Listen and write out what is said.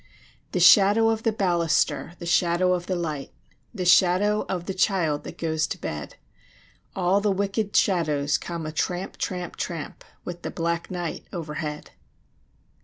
The shadow of the baluster, the shadow of the light, The shadow of the child that goes to bed, All the wicked shadows come a tramp, tramp, tramp, With the black night overhead.